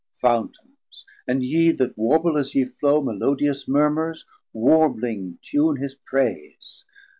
Fountains and yee, that warble, as ye flow, Melodious murmurs, warbling tune his praise.